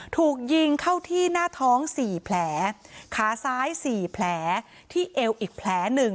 ถูกยิงเข้าที่หน้าท้อง๔แผลขาซ้าย๔แผลที่เอวอีกแผลหนึ่ง